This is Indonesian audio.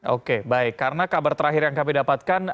oke baik karena kabar terakhir yang kami dapatkan